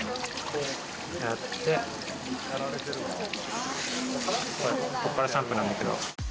こうやってこっからシャンプーなんだけど。